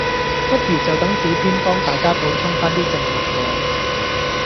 不如就等小編幫大家補充返啲正能量